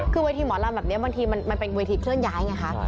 คือเวทีหมอลำแบบนี้บางทีมันเป็นเวทีเคลื่อนย้ายไงคะ